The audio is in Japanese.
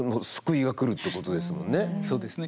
そうですね。